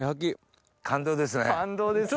感動ですね。